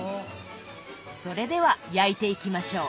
それでは焼いていきましょう。